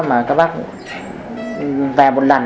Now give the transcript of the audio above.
mà các bác về một lần